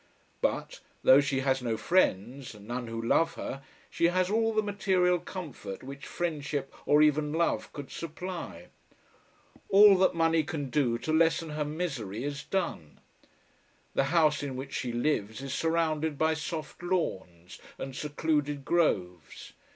But, though she has no friends none who love her, she has all the material comfort which friendship or even love could supply. All that money can do to lessen her misery, is done. The house in which she lives is surrounded by soft lawns and secluded groves.